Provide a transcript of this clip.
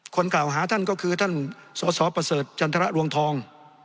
คนกล่าวหาท่านก็คือท่านสสประเสริฐจันทรรวงทอง